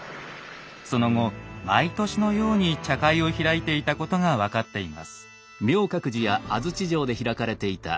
その後毎年のように茶会を開いていたことが分かっています。